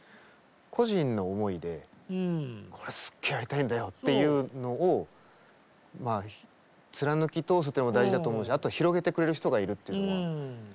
個人の思いで「これすっげぇやりたいんだよ」っていうのを貫き通すっていうのも大事だと思うしあとは広げてくれる人がいるっていうのが。